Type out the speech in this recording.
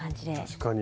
確かに。